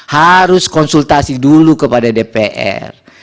harus konsultasi dulu kepada dpr